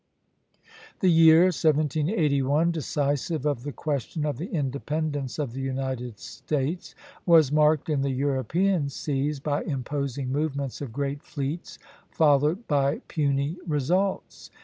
The year 1781, decisive of the question of the independence of the United States, was marked in the European seas by imposing movements of great fleets followed by puny results.